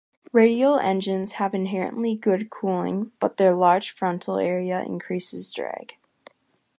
Radial engines have inherently good cooling, but their large frontal area increases drag.